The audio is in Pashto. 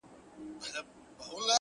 له هنداري څه بېــخاره دى لوېـــدلى;